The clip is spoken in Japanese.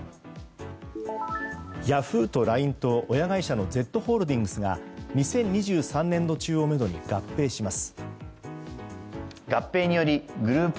ヤフーとＬＩＮＥと親会社のＺホールディングスが２０２３年度中をめどに合併します。